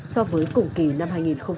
so với cùng kỳ năm hai nghìn hai mươi hai